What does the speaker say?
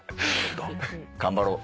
頑張ろう。